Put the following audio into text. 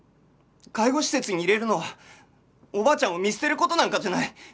介護施設に入れるのはおばあちゃんを見捨てる事なんかじゃない！